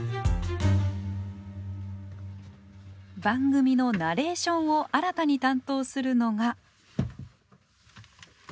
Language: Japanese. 番組のナレーションを新たに担当するのが。